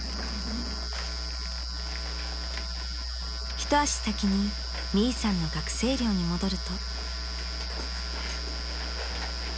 ［一足先にミイさんの学生寮に戻ると］